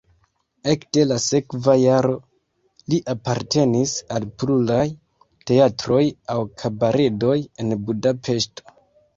Ekde la sekva jaro li apartenis al pluraj teatroj aŭ kabaredoj en Budapeŝto.